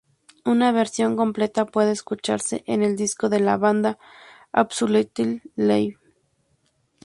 Una versión completa puede escucharse en el disco de la banda, "Absolutely Live".